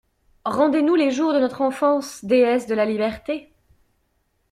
Rendez-nous les jours de notre enfance, Déesse de la Liberté!